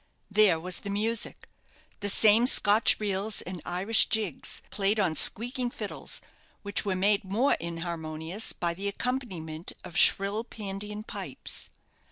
There was the music the same Scotch reels and Irish jigs, played on squeaking fiddles, which were made more inharmonious by the accompaniment of shrill Pandean pipes.